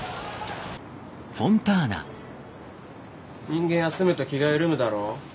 人間休むと気が緩むだろう？